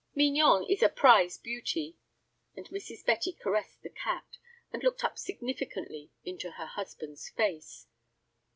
"Mignon is a prize beauty," and Mrs. Betty caressed the cat, and looked up significantly into her husband's face.